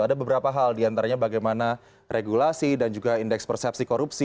ada beberapa hal diantaranya bagaimana regulasi dan juga indeks persepsi korupsi